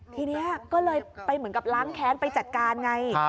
ทีนี้ก็เลยไปเหมือนกับล้างแค้นไปจัดการไง